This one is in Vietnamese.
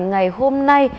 ngày hôm nay